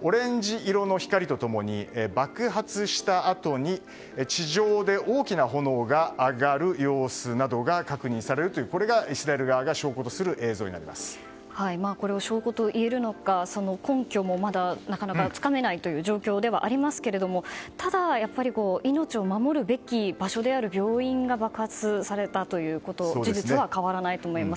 オレンジ色の光と共に爆発したあとに地上で大きな炎が上がる様子などが確認されるというこれがイスラエル側がこれが証拠と言えるのか根拠もなかなかつかめない状況ではありますがただ、命を守るべき場所である病院が爆発されたという事実は変わらないと思います。